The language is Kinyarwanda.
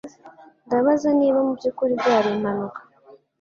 Ndabaza niba mubyukuri byari impanuka.